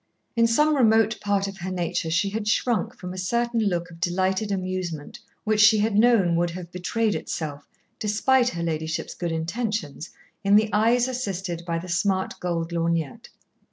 In some remote part of her nature she had shrunk from a certain look of delighted amusement which she had known would have betrayed itself, despite her ladyship's good intentions, in the eyes assisted by the smart gold lorgnette.